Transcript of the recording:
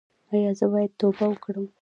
ایا زه باید توبه وکړم؟